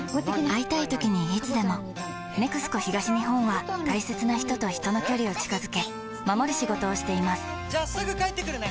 会いたいときにいつでも「ＮＥＸＣＯ東日本」は大切な人と人の距離を近づけ守る仕事をしていますじゃあすぐ帰ってくるね！